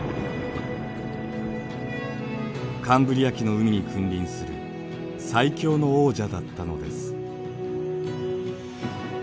カンブリア紀の海に君臨する最強の王者だったのです。